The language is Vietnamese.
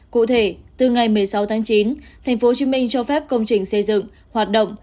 cụ thể từ ngày một mươi sáu tháng chín tp hcm cho phép công trình xây dựng hoạt động